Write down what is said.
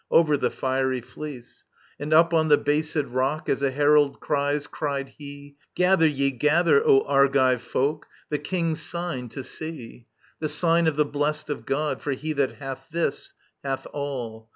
Over the fiery fleece : And up on the basid rock, As a herald cries, cried he :Gather ye, gather, O Argive folk. The King^s Sign to see. The sign of the blest of God, For he that hath this, hath all